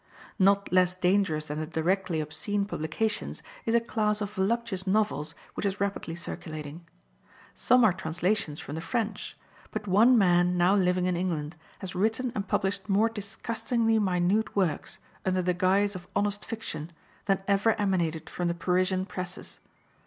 Not less dangerous than the directly obscene publications is a class of voluptuous novels which is rapidly circulating. Some are translations from the French; but one man, now living in England, has written and published more disgustingly minute works, under the guise of honest fiction, than ever emanated from the Parisian presses.